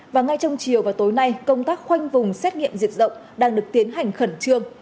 và ngay trong chiều và tối nay công tác khoanh vùng xét nghiệm dịch rộng đang được tiến hành khẩn trương